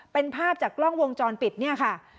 เป็นภาพจากกล้องวงจรปิดเนี่ยค่ะ